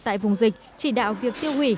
tại vùng dịch chỉ đạo việc tiêu hủy